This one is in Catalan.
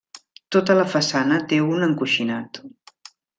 Tota la façana té un encoixinat.